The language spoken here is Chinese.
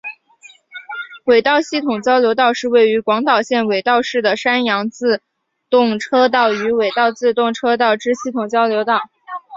尾道系统交流道是位于广岛县尾道市的山阳自动车道与尾道自动车道之系统交流道。